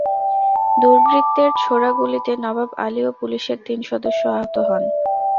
দুর্বৃত্তের ছোড়া গুলিতে নবাব আলী ও পুলিশের তিন সদস্য আহত হন।